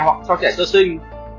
hoặc cho trẻ sơ sinh